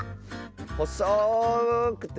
ほそくて。